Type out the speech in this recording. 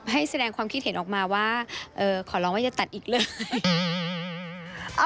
ให้แสดงความคิดเห็นออกมาว่าขอร้องว่าอย่าตัดอีกเลย